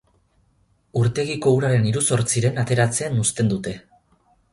Urtegiko uraren hiru zortziren ateratzen uzten dute.